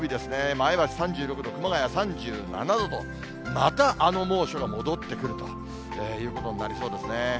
前橋３６度、熊谷３７度と、またあの猛暑が戻ってくるということになりそうですね。